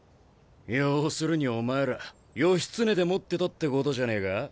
要するにお前ら義経でもってたってことじゃねえか？